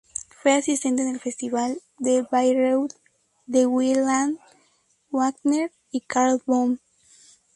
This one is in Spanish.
Fue asistente en el Festival de Bayreuth de Wieland Wagner y Karl Böhm.